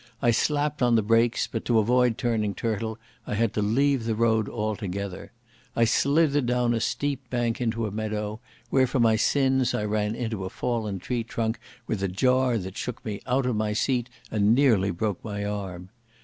I slapped on the brakes, but to avoid turning turtle I had to leave the road altogether. I slithered down a steep bank into a meadow, where for my sins I ran into a fallen tree trunk with a jar that shook me out of my seat and nearly broke my arm.